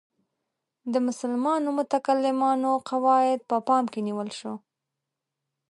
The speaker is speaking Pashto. د مسلمانو متکلمانو قواعد په پام کې نیول شو.